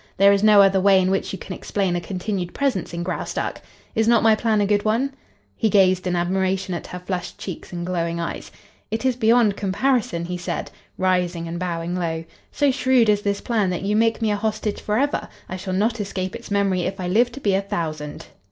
There is no other way in which you can explain a continued presence in Graustark. Is not my plan a good one?" He gazed in admiration at her flushed cheeks and glowing eyes. "It is beyond comparison," he said, rising and bowing low. "So shrewd is this plan that you make me a hostage forever; I shall not escape its memory if I live to be a thousand."